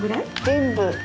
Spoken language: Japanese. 全部。